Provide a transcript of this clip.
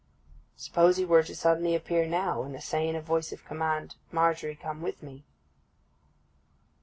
'Suppose he were to suddenly appear now, and say in a voice of command, "Margery, come with me!"